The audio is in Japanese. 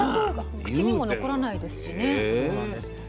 全く口にも残らないですしね。